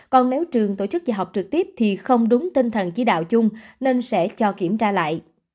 còn nếu trường tổ chức dạy học trực tiếp thì không đúng tinh thần chỉ đạo chung nên sẽ cho kiểm tra lại